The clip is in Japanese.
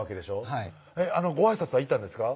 はいごあいさつは行ったんですか？